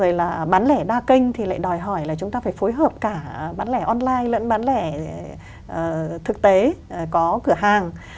rồi là bán lẻ đa kênh thì lại đòi hỏi là chúng ta phải phối hợp cả bán lẻ online lẫn bán lẻ thực tế có cửa hàng